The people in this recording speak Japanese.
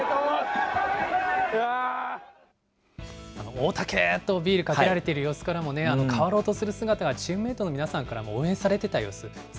大竹！とビールかけられている様子からもね、変わろうとする姿がチームメートの皆さんからも応援されていた様